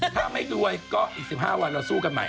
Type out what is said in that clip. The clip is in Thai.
ถ้าไม่รวยก็อีก๑๕วันเราสู้กันใหม่